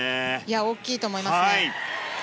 大きいと思いますね。